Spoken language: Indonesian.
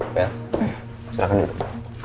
fel silahkan duduk